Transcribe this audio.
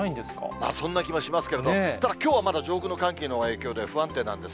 そんな気もしますけれども、ただきょうはまだ上空の寒気の影響で不安定なんです。